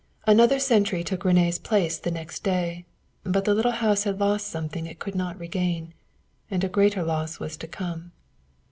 Another sentry took René's place the next day, but the little house had lost something it could not regain. And a greater loss was to come.